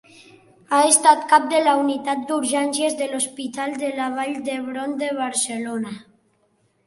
Ha estat cap de la Unitat d'Urgències de l'Hospital de la Vall d'Hebron de Barcelona.